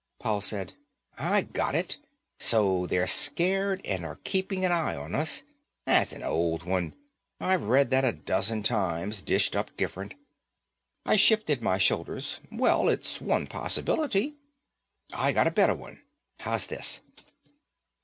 Paul said, "I got it. So they're scared and are keeping an eye on us. That's an old one. I've read that a dozen times, dished up different." I shifted my shoulders. "Well, it's one possibility." "I got a better one. How's this.